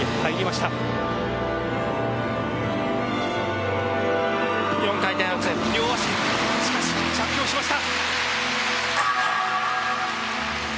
しかし、着氷しました。